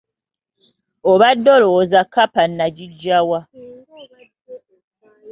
Obadde olowooza kkapa nagiggya wa?